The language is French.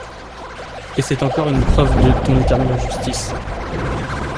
Et c’est encore une preuve de ton éternelle injustice !